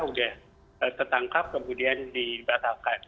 sudah tertangkap kemudian dibatalkan